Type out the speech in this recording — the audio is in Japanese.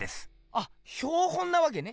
あっ標本なわけね。